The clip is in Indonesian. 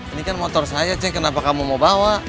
ini kan motor saya cek kenapa kamu mau bawa